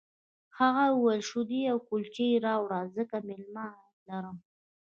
هغه وویل شیدې او کلچې راوړه ځکه مېلمه لرم